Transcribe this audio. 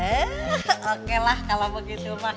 oke lah kalau begitu mas